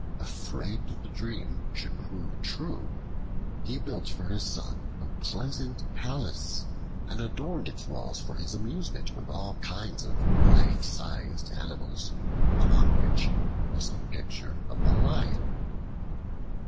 Afraid the dream should prove true, he built for his son a pleasant palace and adorned its walls for his amusement with all kinds of life sized animals, among which was the picture of a lion.